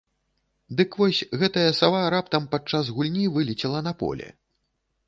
Дык вось гэтая сава раптам падчас гульні вылецела на поле.